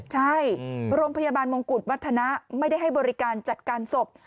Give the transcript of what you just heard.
ใช่โรงพยาบาลมงกุฎวัฒนะไม่ได้ให้บริการจัดการศพ